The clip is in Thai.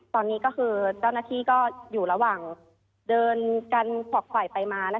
ตอนนี้ก็คือเจ้าหน้าที่ก็อยู่ระหว่างเดินกันขวักไขวไปมา